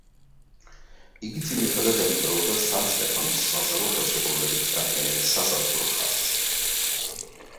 იგი ძირითადად ემთხვეოდა სან-სტეფანოს საზავო ხელშეკრულებით დადგენილ სასაზღვრო ხაზს.